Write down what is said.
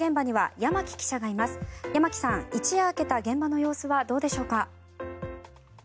山木さん、一夜明けた現場の様子はどうでしょうか。